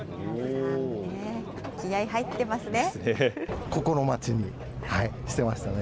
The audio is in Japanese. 気合い入ってますね。